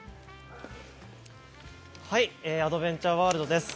アドベンチャーワールドです。